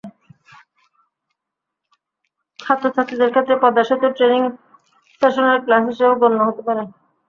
ছাত্রছাত্রীদের ক্ষেত্রে পদ্মা সেতুর ট্রেনিং সেশনাল ক্লাস হিসেবে গণ্য হতে পারে।